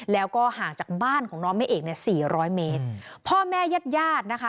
แล้วก็ห่างจากบ้านของน้องแม่เอกเนี่ยสี่ร้อยเมตรพ่อแม่ญาติญาตินะคะ